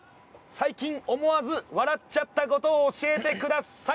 最近思わず笑っちゃった事を教えてください。